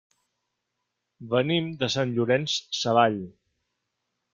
Venim de Sant Llorenç Savall.